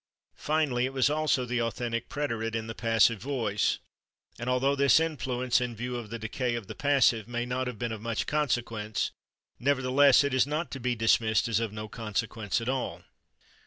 Finally, it was also the authentic preterite in the passive voice, and although this influence, in view of the decay of the passive, may not have been of much consequence, nevertheless it is not to be dismissed as of no consequence at all.